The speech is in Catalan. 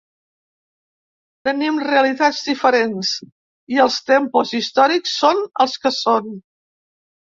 Tenim realitats diferents i els tempos històrics són els que són.